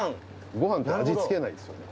ごはんは味付けないですよね。